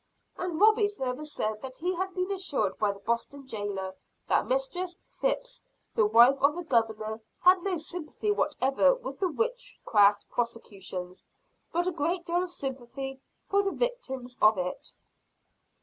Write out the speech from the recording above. And Robie further said that he had been assured by the Boston jailer, that Mistress Phips, the wife of the Governor, had no sympathy whatever with the witchcraft prosecutions, but a great deal of sympathy for the victims of it.